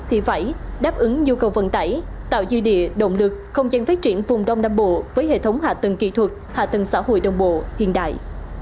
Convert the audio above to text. thì phải đáp ứng nhu cầu vận tải tạo dư địa động lực không gian phát triển vùng đông nam bộ với hệ thống hạ tầng kỹ thuật hạ tầng xã hội đồng bộ hiện đại